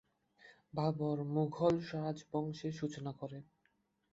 বাবর মুঘল রাজবংশের সূচনা করেন।